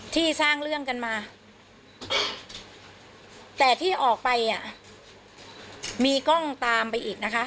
ที่สร้างเรื่องกันมาแต่ที่ออกไปอ่ะมีกล้องตามไปอีกนะคะ